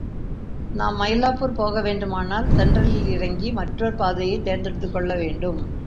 நாம் மைலாப்பூர் போகவேண்டுமானால் சென்ட்ரலில் இறங்கி மற்றோர் பாதையைத் தேர்ந்தெடுத்துக்கொள்ள வேண்டும்.